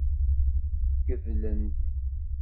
Gedlen-t.